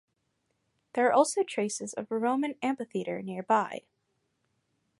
There are also traces of a Roman amphitheatre nearby.